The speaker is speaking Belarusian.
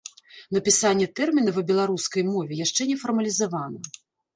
Напісанне тэрміна ва беларускай мове яшчэ не фармалізавана.